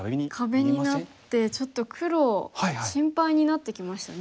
壁になってちょっと黒心配になってきましたね。